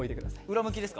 裏向きですか？